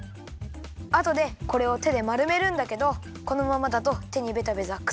あとでこれをてでまるめるんだけどこのままだとてにべたべたくっついちゃうんだよね。